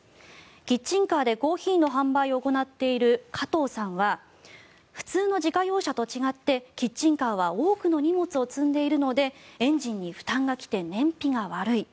キッチンカーでコーヒーの販売を行っている加藤さんは普通の自家用車と違ってキッチンカーは多くの荷物を積んでいるのでエンジンに負担が来て燃費が悪い。